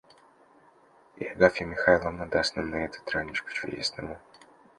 И Агафья Михайловна даст нам этого травничку чудесного...